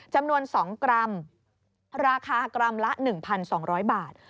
จำนวน๒กรัมราคากรัมละ๑๒๐๐บาท